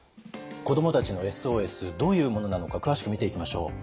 子どもたちのＳＯＳどういうものなのか詳しく見ていきましょう。